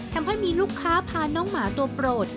ทำให้มีลูกค้าพาน้องหมาตัวโปรด